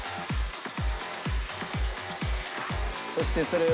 そしてそれを。